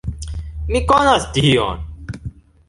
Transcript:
Mi konas Dion!